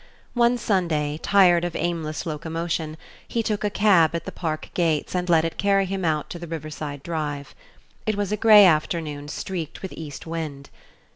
One Sunday, tired of aimless locomotion, he took a cab at the Park gates and let it carry him out to the Riverside Drive. It was a gray afternoon streaked with east wind.